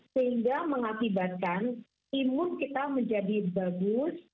sehingga mengakibatkan imun kita menjadi bagus